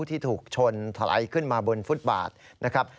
ที่ถูกชนถลายขึ้นมาบนฟุตบาทนะครับ